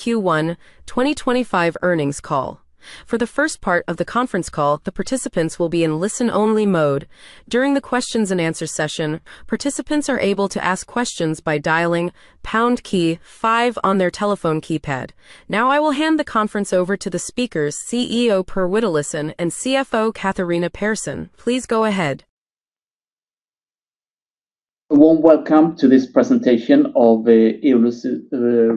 Q1 2025 earnings call. For the first part of the conference call, the participants will be in listen-only mode. During the Q&A session, participants are able to ask questions by dialing #5 on their telephone keypad. Now, I will hand the conference over to the speakers, CEO Per Witalisson and CFO Catharina Persson. Please go ahead. A warm welcome to this presentation of Eolus'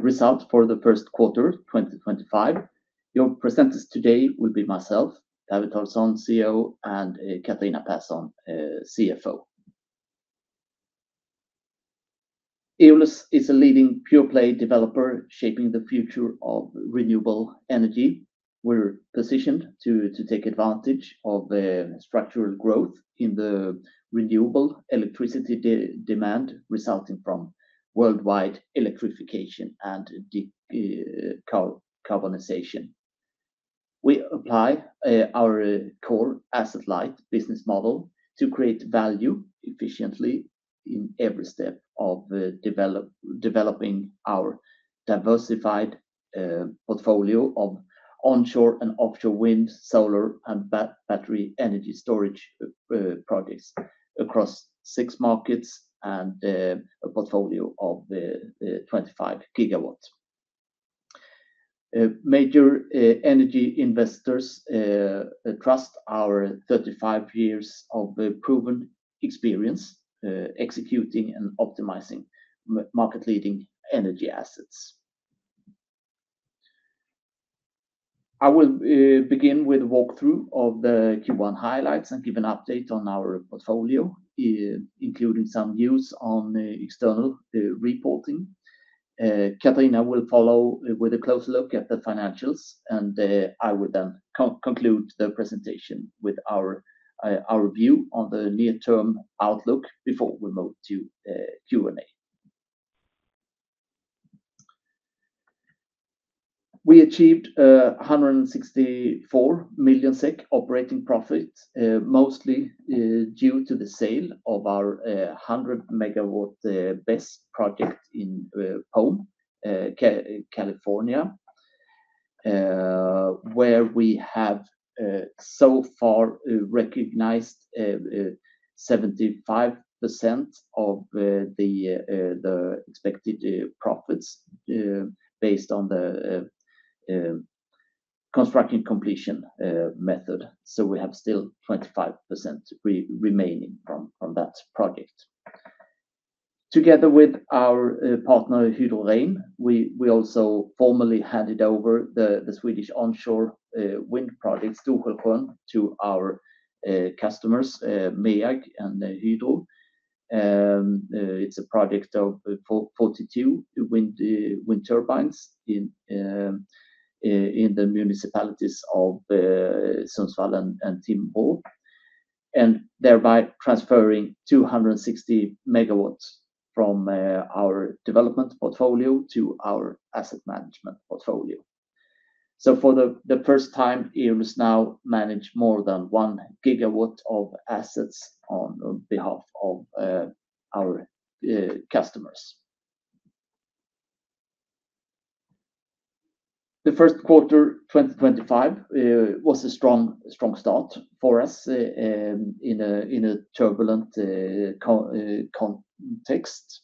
results for the first quarter 2025. Your presenters today will be myself, Per Witalisson, CEO, and Catharina Persson, CFO. Eolus is a leading pure-play developer shaping the future of renewable energy. We're positioned to take advantage of structural growth in the renewable electricity demand resulting from worldwide electrification and decarbonization. We apply our core asset-light business model to create value efficiently in every step of developing our diversified portfolio of onshore and offshore wind, solar, and battery energy storage projects across six markets and a portfolio of 25 GW. Major energy investors trust our 35 years of proven experience executing and optimizing market-leading energy assets. I will begin with a walkthrough of the Q1 highlights and give an update on our portfolio, including some news on external reporting. Catharina will follow with a close look at the financials, and I will then conclude the presentation with our view on the near-term outlook before we move to Q&A. We achieved 164 million SEK operating profit, mostly due to the sale of our 100 MW BESS project in Palm, California, where we have so far recognized 75% of the expected profits based on the construction completion method. We have still 25% remaining from that project. Together with our partner, Hydro Reim, we also formally handed over the Swedish onshore wind project, Storsjön, to our customers, MEAG and Hydro. It is a project of 42 wind turbines in the municipalities of Sundsvall and Timrå, and thereby transferring 260 MW from our development portfolio to our asset management portfolio. For the first time, Eolus now manages more than 1 GW of assets on behalf of our customers. The first quarter 2025 was a strong start for us in a turbulent context.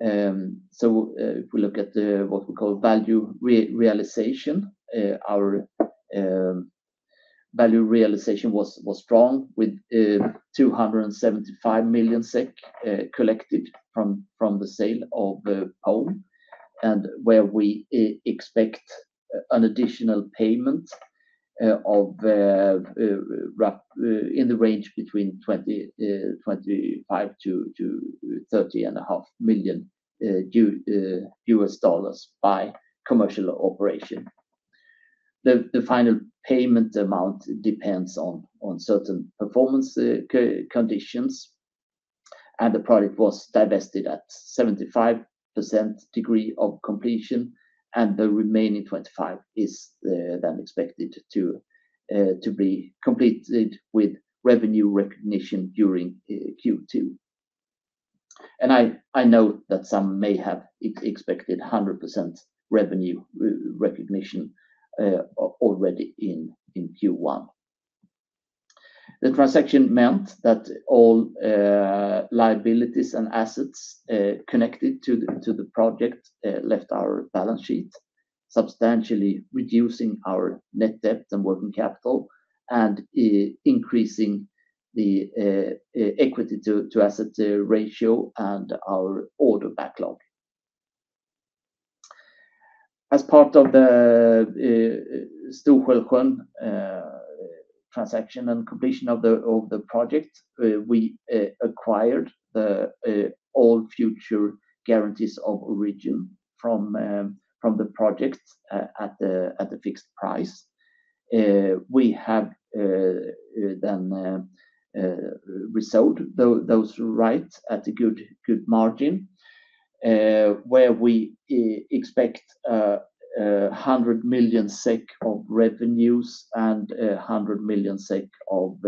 If we look at what we call value realization, our value realization was strong with 275 million SEK collected from the sale of Palm, and where we expect an additional payment in the range between $25 million-$30.5 million by commercial operation. The final payment amount depends on certain performance conditions, and the project was divested at 75% degree of completion, and the remaining 25% is then expected to be completed with revenue recognition during Q2. I know that some may have expected 100% revenue recognition already in Q1. The transaction meant that all liabilities and assets connected to the project left our balance sheet, substantially reducing our net debt and working capital, and increasing the equity-to-asset ratio and our order backlog. As part of the Storsjön transaction and completion of the project, we acquired all future Guarantees of Origin from the project at the fixed price. We have then resolved those rights at a good margin, where we expect 100 million SEK of revenues and 100 million SEK of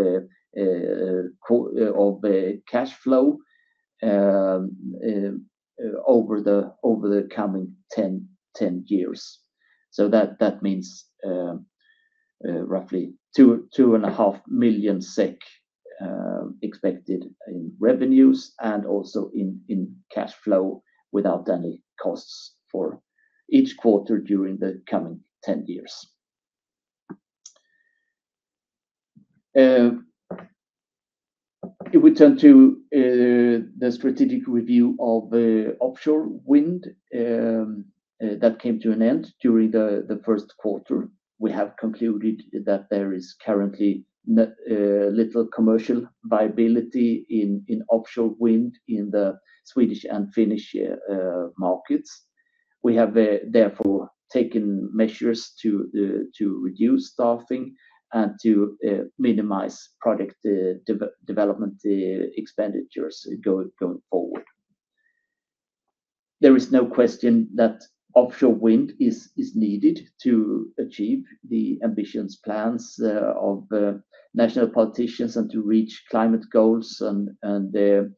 cash flow over the coming 10 years. That means roughly 2.5 million SEK expected in revenues and also in cash flow without any costs for each quarter during the coming 10 years. If we turn to the strategic review of offshore wind, that came to an end during the first quarter. We have concluded that there is currently little commercial viability in offshore wind in the Swedish and Finnish markets. We have therefore taken measures to reduce staffing and to minimize product development expenditures going forward. There is no question that offshore wind is needed to achieve the ambitions, plans of national politicians and to reach climate goals and the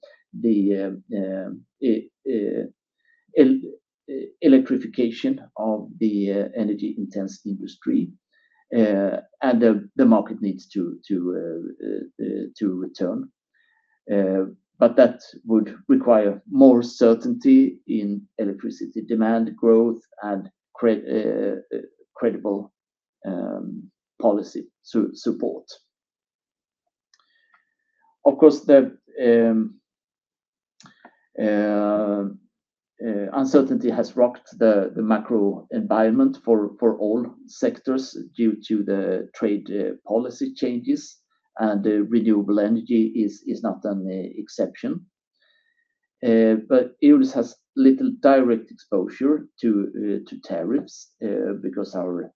electrification of the energy-intense industry, and the market needs to return. That would require more certainty in electricity demand growth and credible policy support. Of course, the uncertainty has rocked the macro environment for all sectors due to the trade policy changes, and renewable energy is not an exception. Eolus has little direct exposure to tariffs because our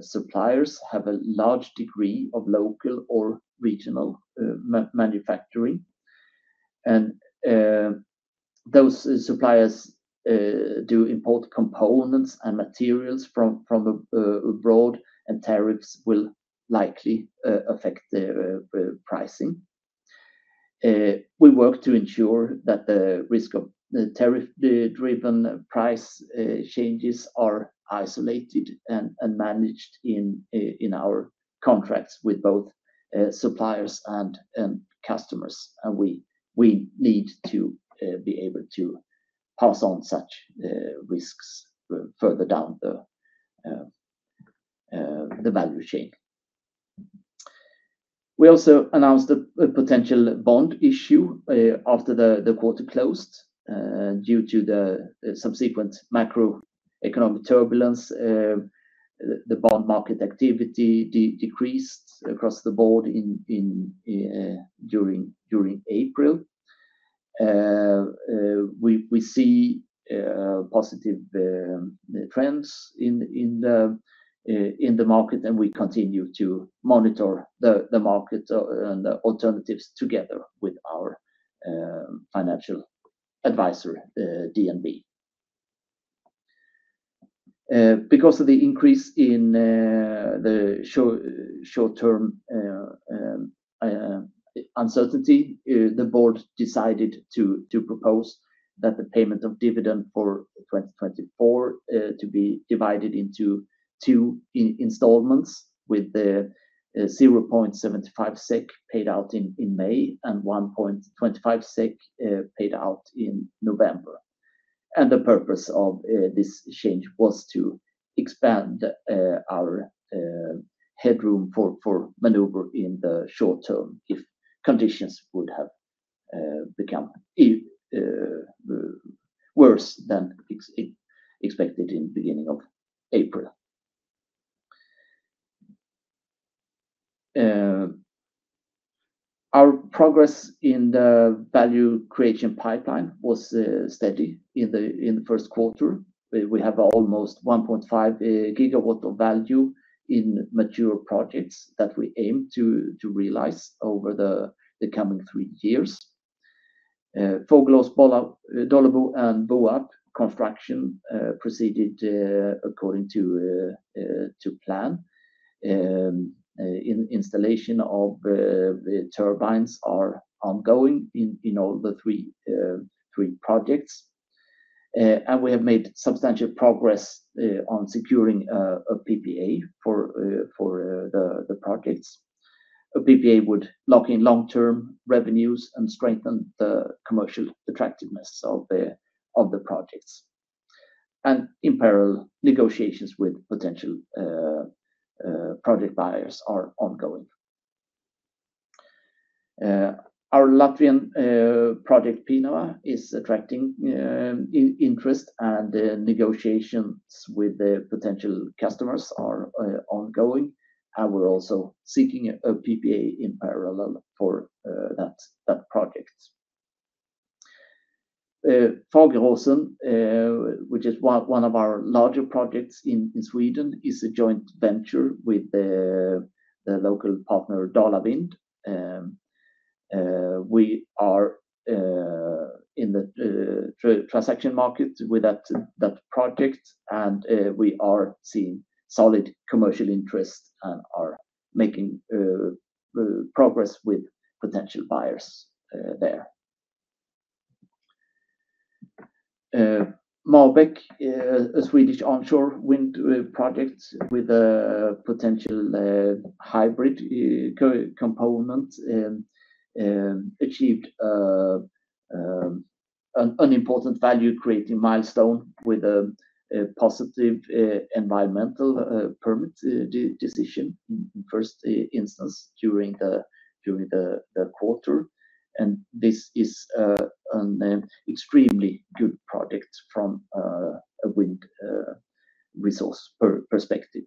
suppliers have a large degree of local or regional manufacturing. Those suppliers do import components and materials from abroad, and tariffs will likely affect the pricing. We work to ensure that the risk of tariff-driven price changes are isolated and managed in our contracts with both suppliers and customers. We need to be able to pass on such risks further down the value chain. We also announced a potential bond issue after the quarter closed due to the subsequent macroeconomic turbulence. The bond market activity decreased across the board during April. We see positive trends in the market, and we continue to monitor the market and the alternatives together with our financial advisor, DNB. Because of the increase in the short-term uncertainty, the board decided to propose that the payment of dividend for 2024 be divided into two installments, with 0.75 SEK paid out in May and 1.25 SEK paid out in November. The purpose of this change was to expand our headroom for maneuver in the short term if conditions would have become worse than expected in the beginning of April. Our progress in the value creation pipeline was steady in the first quarter. We have almost 1.5 GW of value in mature projects that we aim to realize over the coming three years. Foglås, Bollabo, and Boab construction proceeded according to plan. Installation of turbines is ongoing in all three projects. We have made substantial progress on securing a PPA for the projects. A PPA would lock in long-term revenues and strengthen the commercial attractiveness of the projects. In parallel, negotiations with potential project buyers are ongoing. Our Latvian project, PINOA, is attracting interest, and negotiations with potential customers are ongoing. We are also seeking a PPA in parallel for that project. Foglåsen, which is one of our larger projects in Sweden, is a joint venture with the local partner, Dalavind. We are in the transaction market with that project, and we are seeing solid commercial interest and are making progress with potential buyers there. Mabek, a Swedish onshore wind project with a potential hybrid component, achieved an important value-creating milestone with a positive environmental permit decision in the first instance during the quarter. This is an extremely good project from a wind resource perspective.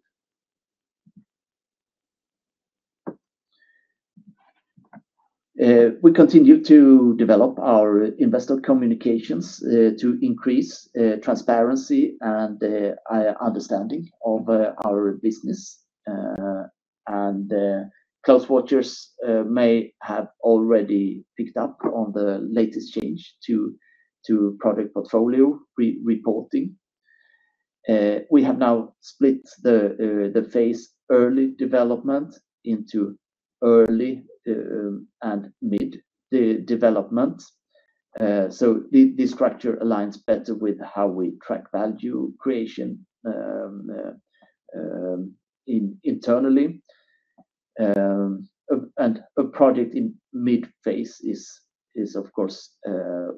We continue to develop our investor communications to increase transparency and understanding of our business. Close watchers may have already picked up on the latest change to product portfolio reporting. We have now split the phase early development into early and mid development. This structure aligns better with how we track value creation internally. A project in mid phase is, of course,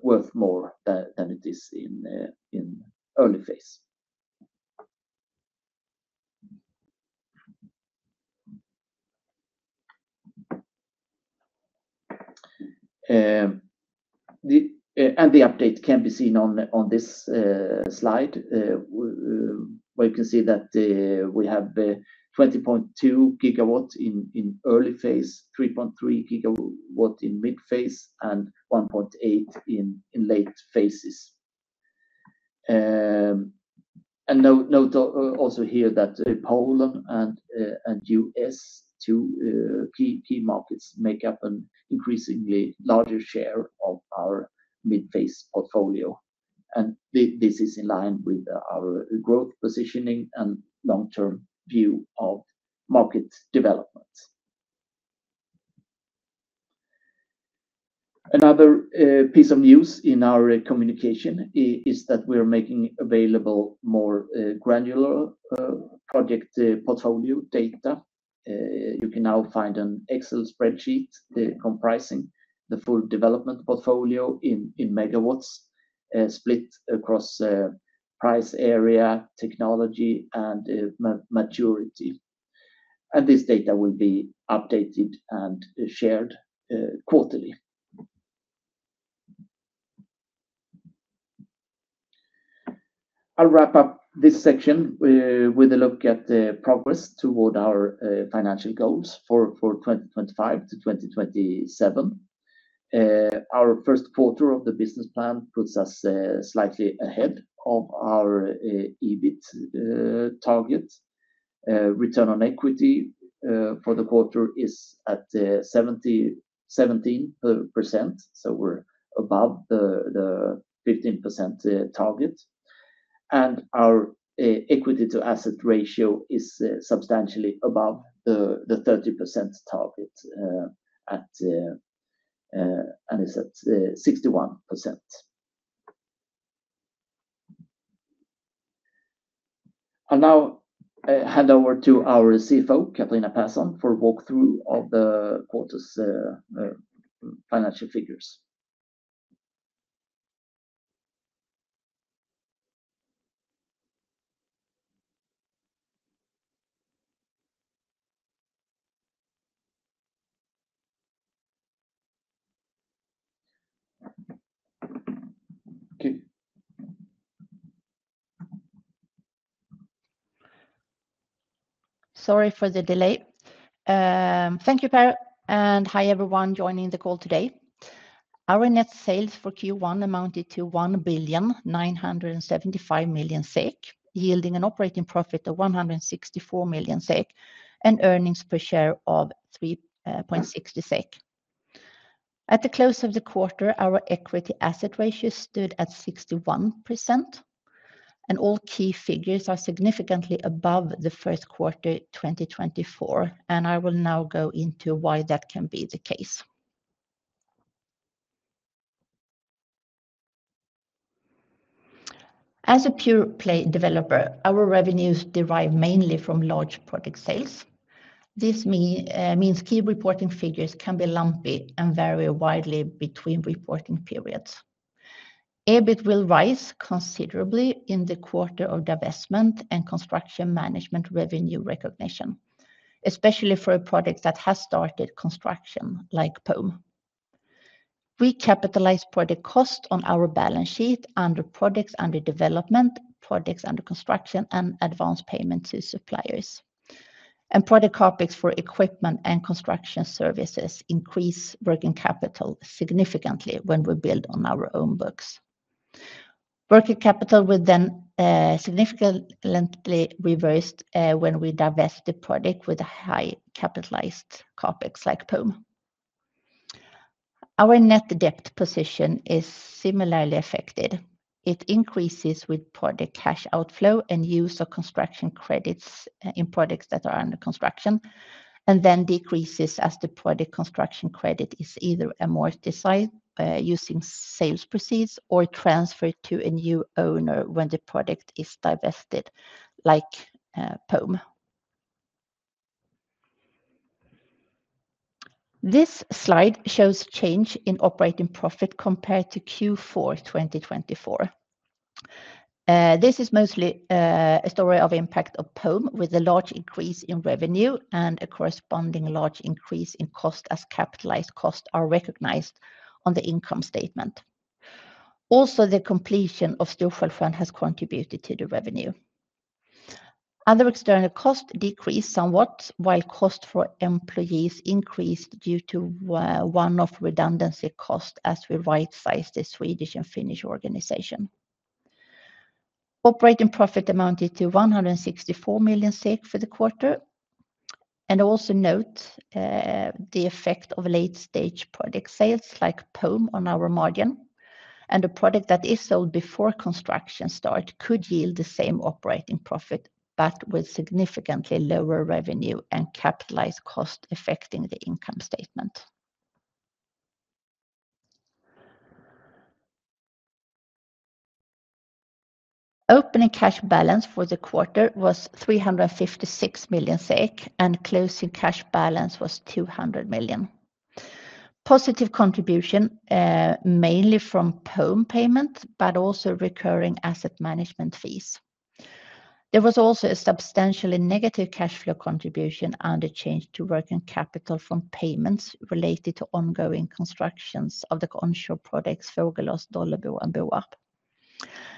worth more than it is in early phase. The update can be seen on this slide, where you can see that we have 20.2 GW in early phase, 3.3 GW in mid phase, and 1.8 in late phases. Note also here that Poland and the U.S., two key markets, make up an increasingly larger share of our mid phase portfolio. This is in line with our growth positioning and long-term view of market development. Another piece of news in our communication is that we are making available more granular project portfolio data. You can now find an Excel spreadsheet comprising the full development portfolio in megawatt, split across price area, technology, and maturity. This data will be updated and shared quarterly. I'll wrap up this section with a look at the progress toward our financial goals for 2025- 2027. Our first quarter of the business plan puts us slightly ahead of our EBIT target. Return on equity for the quarter is at 17%, so we're above the 15% target. Our equity-to-asset ratio is substantially above the 30% target and is at 61%. I'll now hand over to our CFO, Catharina Persson, for a walkthrough of the quarter's financial figures. Sorry for the delay. Thank you, Per. And hi, everyone joining the call today. Our net sales for Q1 amounted to 1,975 million SEK, yielding an operating profit of 164 million SEK and earnings per share of 3.60 SEK. At the close of the quarter, our equity-to-asset ratio stood at 61%. All key figures are significantly above the first quarter 2024. I will now go into why that can be the case. As a pure play developer, our revenues derive mainly from large project sales. This means key reporting figures can be lumpy and vary widely between reporting periods. EBIT will rise considerably in the quarter of divestment and construction management revenue recognition, especially for a project that has started construction, like POEM. We capitalize project costs on our balance sheet under projects under development, projects under construction, and advance payment to suppliers. Project CapEx for equipment and construction services increases working capital significantly when we build on our own books. Working capital would then significantly reverse when we divest the project with a high-capitalized CapEx like POEM. Our net debt position is similarly affected. It increases with project cash outflow and use of construction credits in projects that are under construction, and then decreases as the project construction credit is either amortized using sales proceeds or transferred to a new owner when the project is divested, like POEM. This slide shows change in operating profit compared to Q4 2024. This is mostly a story of impact of POEM with a large increase in revenue and a corresponding large increase in cost as capitalized costs are recognized on the income statement. Also, the completion of Storsjön has contributed to the revenue. Other external costs decreased somewhat, while cost for employees increased due to one-off redundancy costs as we right-sized the Swedish and Finnish organization. Operating profit amounted to 164 million SEK for the quarter. Also note the effect of late-stage project sales like POEM on our margin. A project that is sold before construction start could yield the same operating profit, but with significantly lower revenue and capitalized costs affecting the income statement. Opening cash balance for the quarter was 356 million SEK, and closing cash balance was 200 million. Positive contribution mainly from POEM payment, but also recurring asset management fees. There was also a substantially negative cash flow contribution and a change to working capital from payments related to ongoing constructions of the onshore projects Foglås, Bollabo, and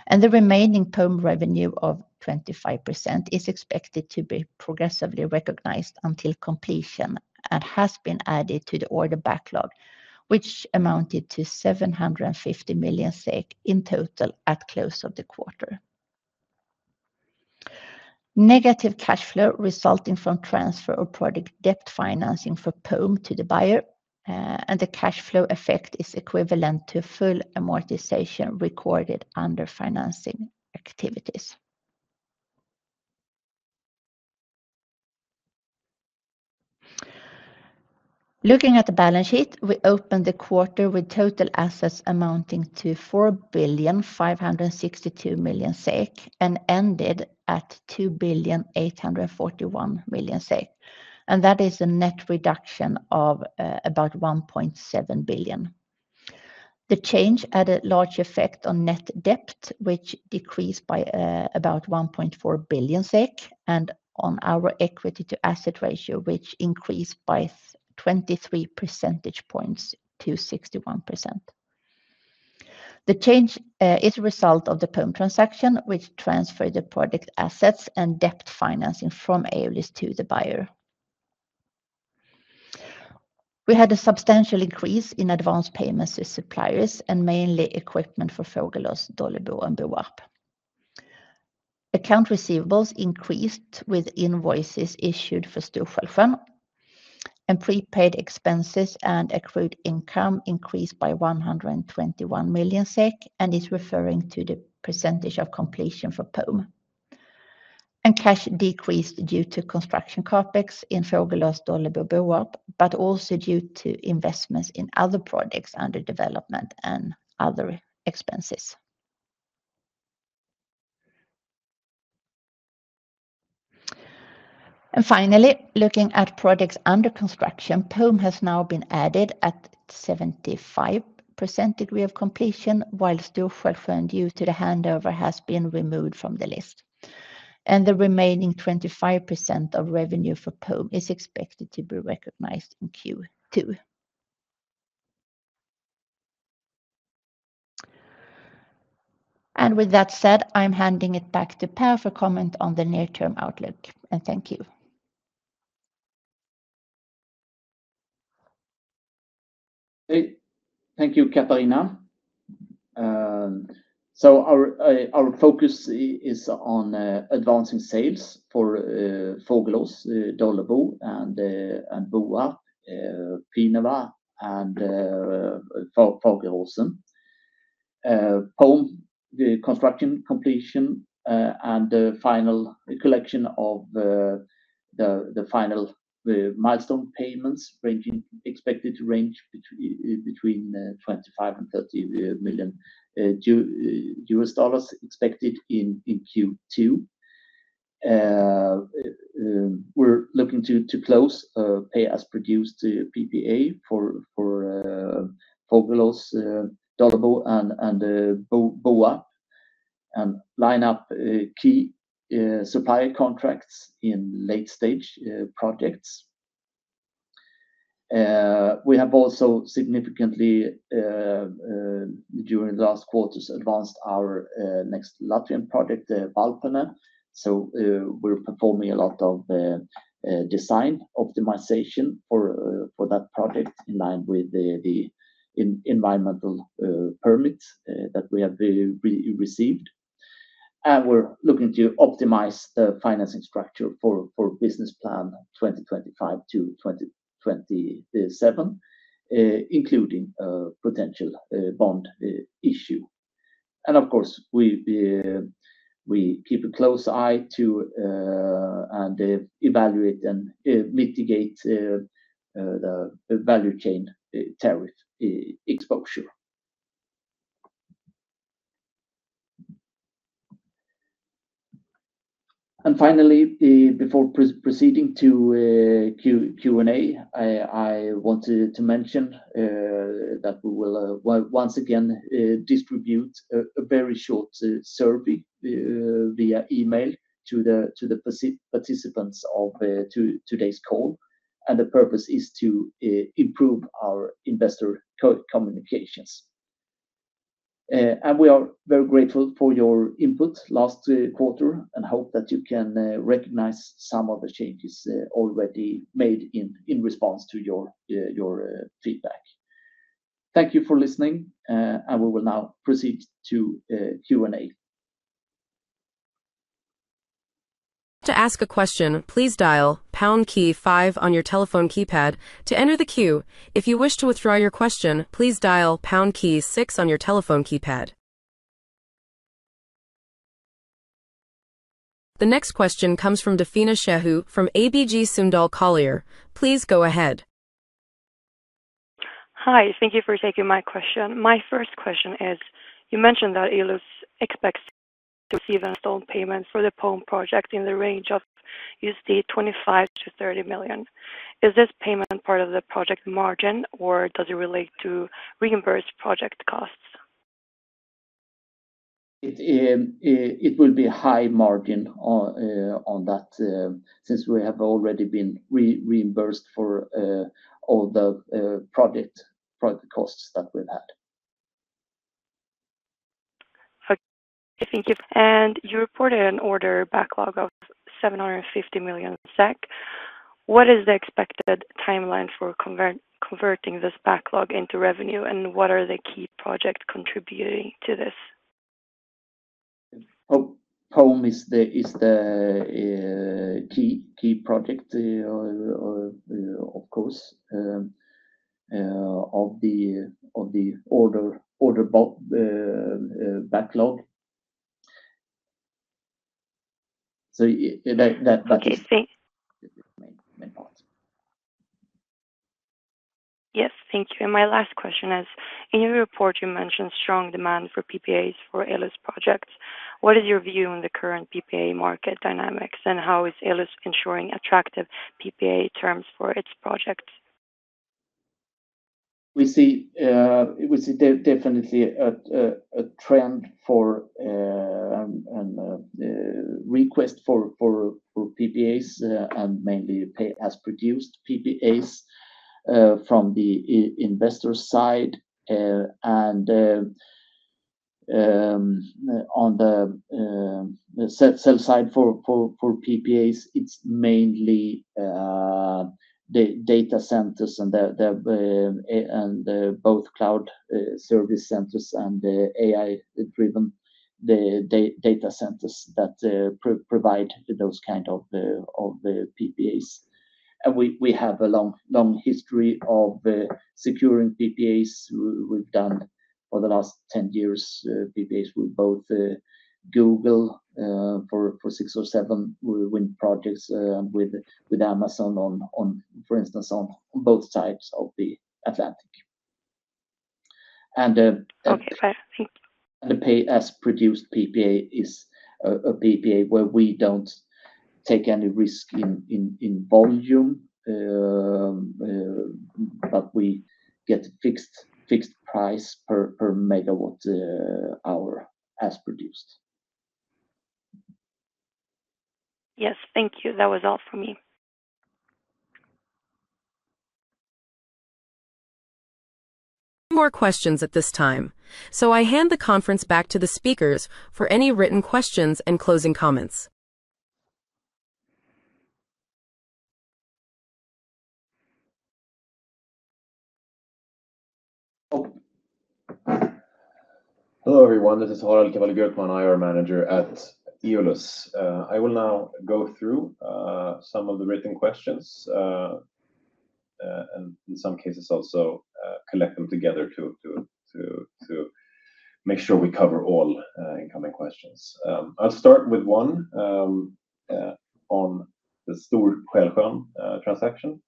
Boab. The remaining POEM revenue of 25% is expected to be progressively recognized until completion and has been added to the order backlog, which amounted to 750 million SEK in total at close of the quarter. Negative cash flow resulted from transfer of project debt financing for POEM to the buyer, and the cash flow effect is equivalent to full amortization recorded under financing activities. Looking at the balance sheet, we opened the quarter with total assets amounting to 4,562 million SEK and ended at 2,841 million SEK. That is a net reduction of about 1.7 billion. The change had a large effect on net debt, which decreased by about 1.4 billion SEK, and on our equity-to-asset ratio, which increased by 23 percentage points to 61%. The change is a result of the POEM transaction, which transferred the project assets and debt financing from Eolus to the buyer. We had a substantial increase in advance payments to suppliers, and mainly equipment for Foglås, Bollabo, and Boab. Account receivables increased with invoices issued for Storsjön, and prepaid expenses and accrued income increased by 121 million SEK, and is referring to the percentage of completion for POEM. Cash decreased due to construction CapEx in Foglås, Bollabo, and Boab, but also due to investments in other projects under development and other expenses. Finally, looking at projects under construction, POEM has now been added at 75% degree of completion, while Storsjön, due to the handover, has been removed from the list. The remaining 25% of revenue for POEM is expected to be recognized in Q2. With that said, I'm handing it back to Per for comment on the near-term outlook. Thank you. Thank you, Catharina. Our focus is on advancing sales for Foglås, Bollabo and Boab, PINOA and Foglåsen. POEM, the construction completion and the final collection of the final milestone payments expected to range between $25 million-$30 million expected in Q2. We're looking to close pay-as-produced PPA for Foglås, Bollabo and Boab, and line up key supplier contracts in late-stage projects. We have also significantly, during the last quarters, advanced our next Latvian project, Valpane. We're performing a lot of design optimization for that project in line with the environmental permit that we have received. We're looking to optimize the financing structure for business plan 2025-2027, including a potential bond issue. Of course, we keep a close eye to and evaluate and mitigate the value chain tariff exposure. Finally, before proceeding to Q&A, I wanted to mention that we will once again distribute a very short survey via email to the participants of today's call. The purpose is to improve our investor communications. We are very grateful for your input last quarter and hope that you can recognize some of the changes already made in response to your feedback. Thank you for listening, and we will now proceed to Q&A. To ask a question, please dial pound key five on your telephone keypad to enter the queue. If you wish to withdraw your question, please dial pound key six on your telephone keypad. The next question comes from Dafina Shehu from ABG Sundal Collier. Please go ahead. Hi, thank you for taking my question. My first question is, you mentioned that Eolus expects to receive installment payment for the POEM project in the range of $25-30 million. Is this payment part of the project margin, or does it relate to reimbursed project costs? It will be a high margin on that since we have already been reimbursed for all the project costs that we've had. Thank you. You reported an order backlog of 750 million SEK. What is the expected timeline for converting this backlog into revenue, and what are the key projects contributing to this? POEM is the key project, of course, of the order backlog. That's the main part. Yes, thank you. My last question is, in your report, you mentioned strong demand for PPAs for Eolus projects. What is your view on the current PPA market dynamics, and how is Eolus ensuring attractive PPA terms for its projects? We see definitely a trend for requests for PPAs, and mainly pay-as-produced PPAs from the investor side. On the sell side for PPAs, it is mainly data centers and both cloud service centers and AI-driven data centers that provide those kinds of PPAs. We have a long history of securing PPAs. We have done for the last 10 years PPAs with both Google for six or seven wind projects, with Amazon, for instance, on both sides of the Atlantic. The pay-as-produced PPA is a PPA where we do not take any risk in volume, but we get a fixed price per megawatt hour as produced. Yes, thank you. That was all for me. No more questions at this time. I hand the conference back to the speakers for any written questions and closing comments. Hello everyone. This is Harald Björkman, IR Manager at Eolus. I will now go through some of the written questions and in some cases also collect them together to make sure we cover all incoming questions. I'll start with one on the Storsjön transaction.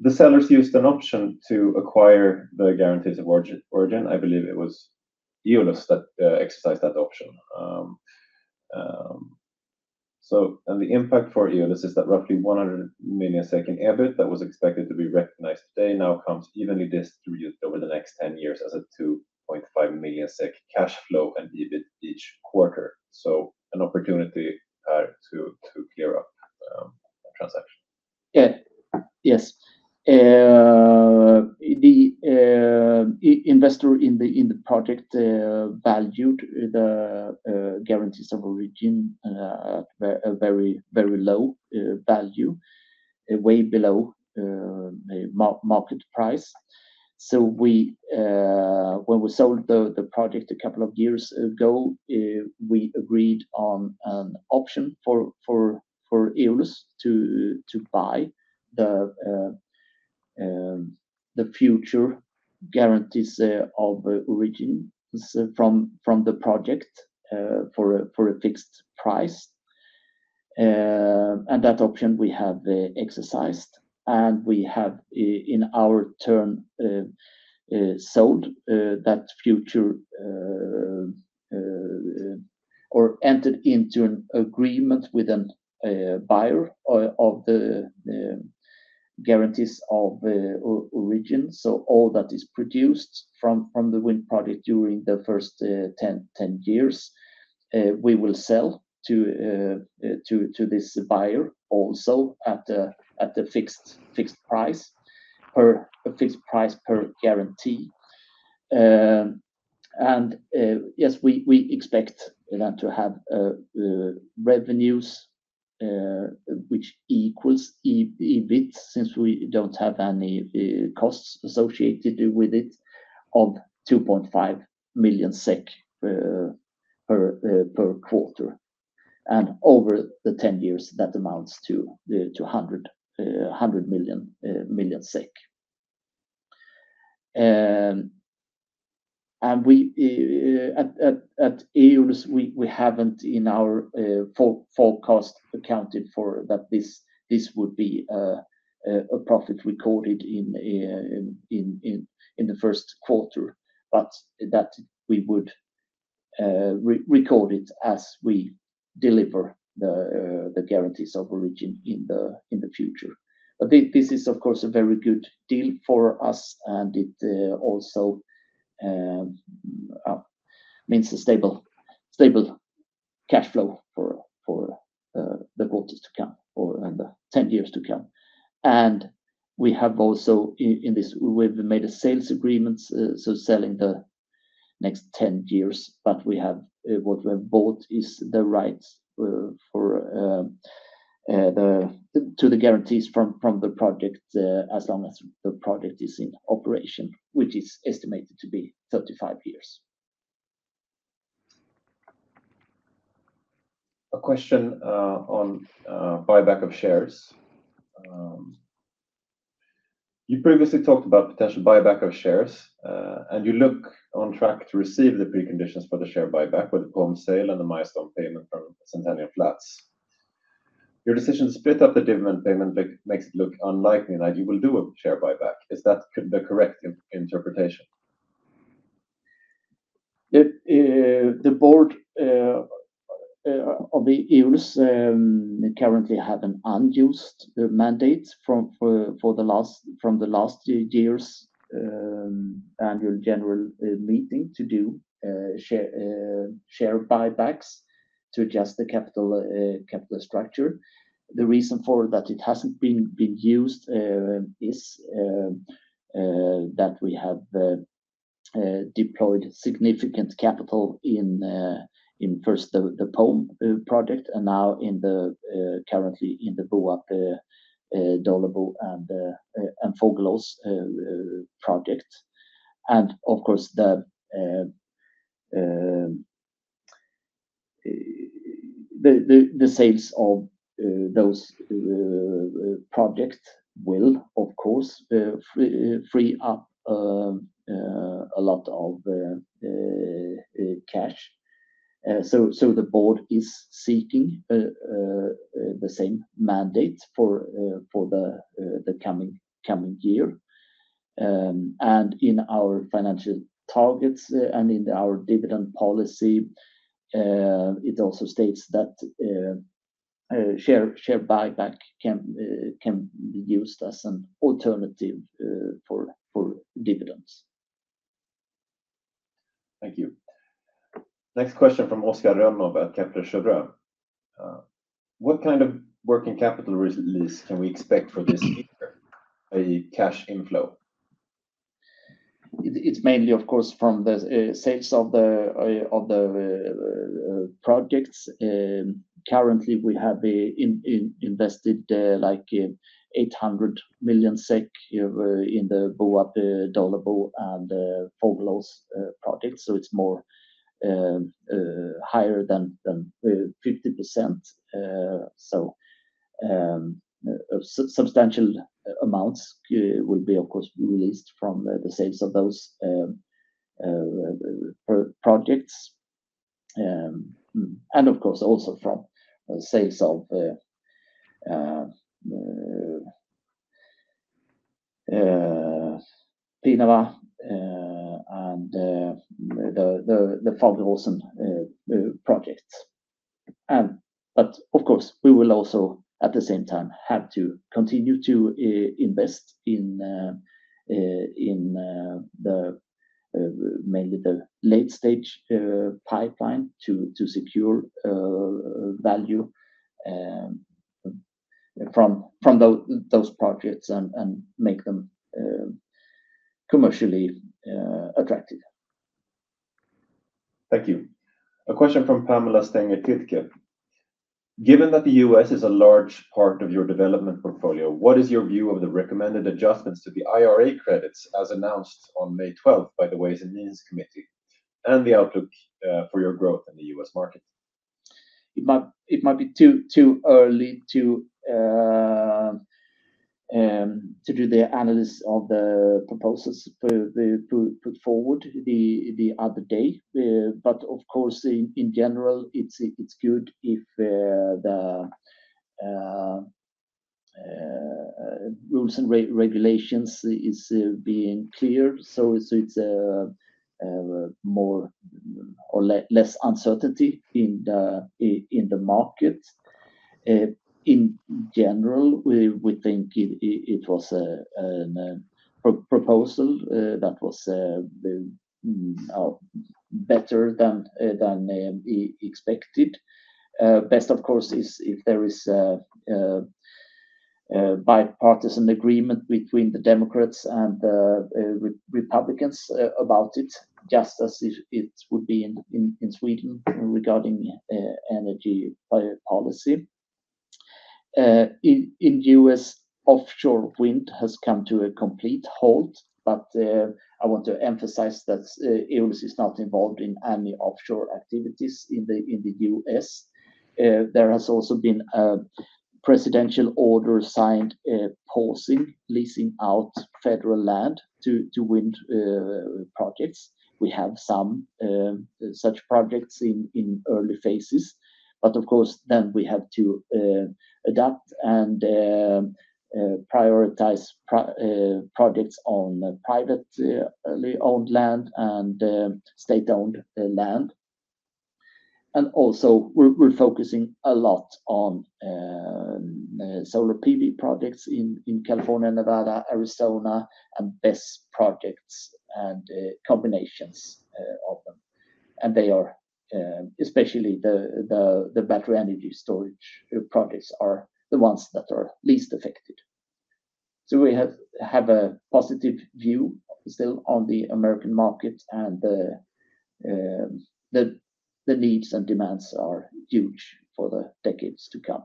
The sellers used an option to acquire the Guarantees of Origin. I believe it was Eolus that exercised that option. The impact for Eolus is that roughly 100 million in EBIT that was expected to be recognized today now comes evenly distributed over the next 10 years as a 2.5 million SEK cash flow and EBIT each quarter. An opportunity to clear up the transaction. Yes. The investor in the project valued the Guarantees of Origin at a very low value, way below market price. When we sold the project a couple of years ago, we agreed on an option for Eolus to buy the future guarantees of origin from the project for a fixed price. That option we have exercised. We have, in our turn, sold that future or entered into an agreement with a buyer of the guarantees of origin. All that is produced from the wind project during the first 10 years, we will sell to this buyer also at a fixed price per guarantee. Yes, we expect to have revenues which equals EBIT since we do not have any costs associated with it of 2.5 million SEK per quarter. Over the 10 years, that amounts to 100 million. At Eolus, we have not in our forecast accounted for this as a profit recorded in the first quarter, but that we would record it as we deliver the guarantees of origin in the future. This is, of course, a very good deal for us, and it also means a stable cash flow for the quarters to come and the 10 years to come. We have also in this made a sales agreement, so selling the next 10 years, but what we have bought is the rights to the guarantees from the project as long as the project is in operation, which is estimated to be 35 years. A question on buyback of shares. You previously talked about potential buyback of shares, and you look on track to receive the preconditions for the share buyback with the POEM sale and the milestone payment from Centennial Flats. Your decision to split up the dividend payment makes it look unlikely that you will do a share buyback. Is that the correct interpretation? The board of Eolus currently has an unused mandate from last year's annual general meeting to do share buybacks to adjust the capital structure. The reason for that it hasn't been used is that we have deployed significant capital in first the POEM project and now currently in the Boab, Bollabo, and Foglås project. Of course, the sales of those projects will, of course, free up a lot of cash. The board is seeking the same mandate for the coming year. In our financial targets and in our dividend policy, it also states that share buyback can be used as an alternative for dividends. Thank you. Next question from Oscar Rönnow at Kepler Cheuvreux. What kind of working capital release can we expect for this cash inflow? It is mainly, of course, from the sales of the projects. Currently, we have invested like 800 million SEK in the Boab, Bollabo, and Foglås projects. It is more, higher than 50%. Substantial amounts will be, of course, released from the sales of those projects. Of course, also from sales of PINOA and the Foglås projects. We will also at the same time have to continue to invest in mainly the late-stage pipeline to secure value from those projects and make them commercially attractive. Thank you. A question from Pamela Stänger Kytke. Given that the U.S is a large part of your development portfolio, what is your view of the recommended adjustments to the IRA credits as announced on May 12th by the Ways and Means Committee and the outlook for your growth in the US market? It might be too early to do the analysis of the proposals put forward the other day. Of course, in general, it's good if the rules and regulations are being cleared. It is more or less uncertainty in the market. In general, we think it was a proposal that was better than expected. Best of course is if there is a bipartisan agreement between the Democrats and the Republicans about it, just as it would be in Sweden regarding energy policy. In the U.S., offshore wind has come to a complete halt, but I want to emphasize that Eolus is not involved in any offshore activities in the U.S. There has also been a presidential order signed pausing leasing out federal land to wind projects. We have some such projects in early phases. Of course, we have to adapt and prioritize projects on privately owned land and state-owned land. We are also focusing a lot on solar PV projects in California, Nevada, Arizona, and BESS projects and combinations of them. Especially the battery energy storage projects are the ones that are least affected. We have a positive view still on the American market, and the needs and demands are huge for the decades to come.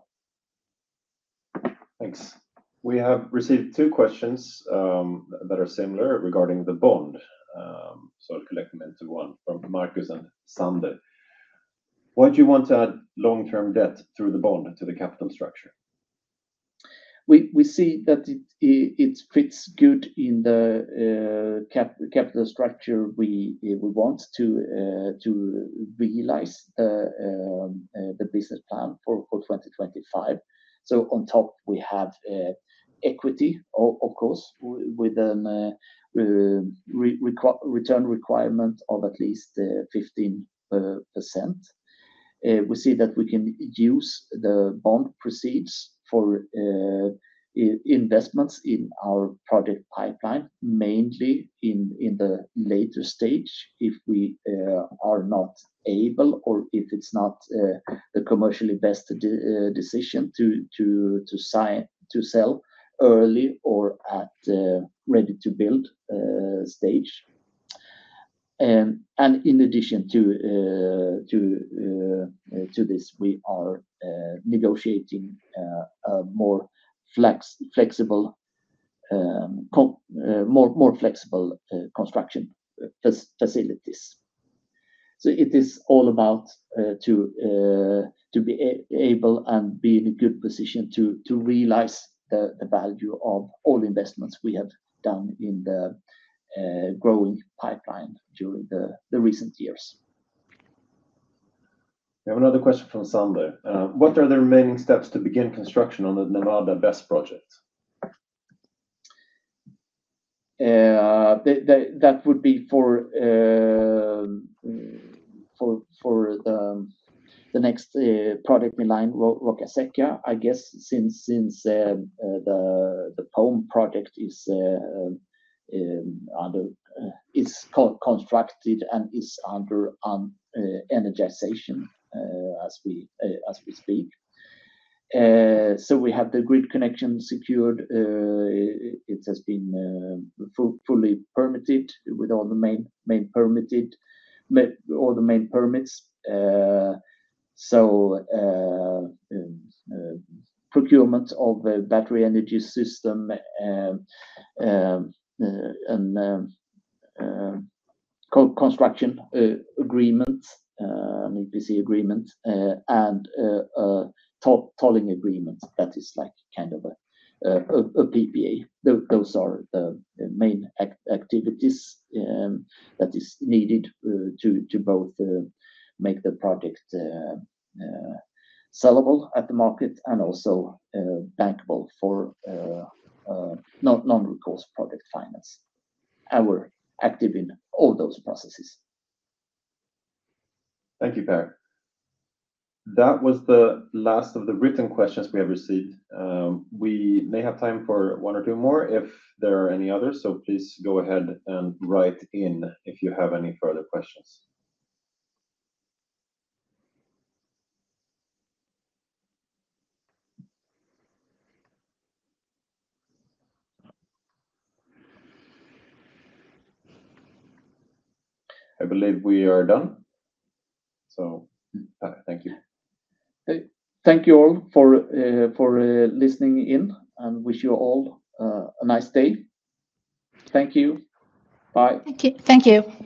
Thanks. We have received two questions that are similar regarding the bond. I'll collect them into one from Markus and Sander. Why do you want to add long-term debt through the bond to the capital structure? We see that it fits good in the capital structure. We want to realize the business plan for 2025. On top, we have equity, of course, with a return requirement of at least 15%. We see that we can use the bond proceeds for investments in our project pipeline, mainly in the later stage if we are not able or if it's not the commercially best decision to sell early or at ready-to-build stage. In addition to this, we are negotiating more flexible construction facilities. It is all about being able and being in a good position to realize the value of all investments we have done in the growing pipeline during the recent years. We have another question from Sander. What are the remaining steps to begin construction on the Nevada BESS project? That would be for the next project in line, Rokaseka, I guess, since the POEM project is constructed and is under energization as we speak. We have the grid connection secured. It has been fully permitted with all the main permits: procurement of a battery energy system, construction agreement, EPC agreement, and tolling agreement that is kind of a PPA. Those are the main activities that are needed to both make the project sellable at the market and also bankable for non-recourse project finance. We are active in all those processes. Thank you, Per. That was the last of the written questions we have received. We may have time for one or two more if there are any others, so please go ahead and write in if you have any further questions. I believe we are done. Thank you all for listening in, and wish you all a nice day. Thank you. Bye. Thank you.